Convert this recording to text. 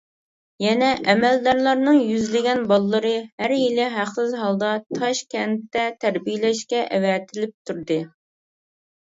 يەنە ئەمەلدارلارنىڭ يۈزلىگەن بالىلىرى ھەر يىلى ھەقسىز ھالدا تاشكەنتتە تەربىيەلەشكە ئەۋەتىلىپ تۇردى.